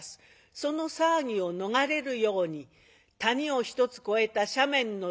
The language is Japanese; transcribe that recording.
その騒ぎを逃れるように谷を１つ越えた斜面の中途